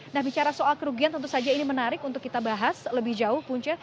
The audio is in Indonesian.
nah bicara soal kerugian tentu saja ini menarik untuk kita bahas lebih jauh punca